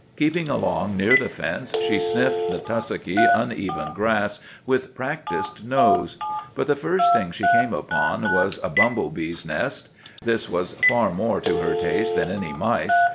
Keeping along near the fence, she sniffed the tussocky, uneven grass with practised nose. But the first thing she came upon was a bumble bees' nest. This was far more to her taste than any mice.